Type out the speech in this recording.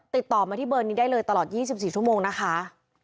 ติดต่อมาที่เบอร์นี้ได้เลยตลอด๒๔ชั่วโมงนะคะ